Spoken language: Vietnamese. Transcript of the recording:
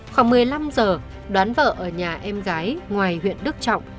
khoảng một mươi năm giờ đoán vợ ở nhà em gái ngoài huyện đức trọng